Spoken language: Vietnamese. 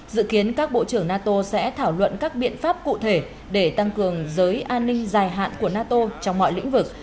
dự kiến các bộ trưởng nato sẽ thảo luận các biện pháp cụ thể để tăng cường giới an ninh dài hạn của nato trong mọi lĩnh vực